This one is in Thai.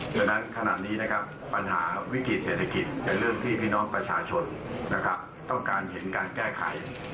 ฉะนั้นขนาดนี้ปัญหาวิกฤติเศรษฐกิจอย่างเรื่องที่พี่น้องประชาชนต้องการเห็นการแก้ไข